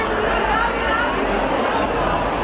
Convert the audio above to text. ขอร้าพที่คุณมาก